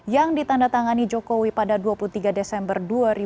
yang ditandatangani jokowi pada dua puluh tiga desember dua ribu dua puluh